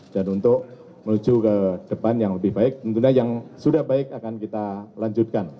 dan untuk menuju ke depan yang lebih baik tentunya yang sudah baik akan kita lanjutkan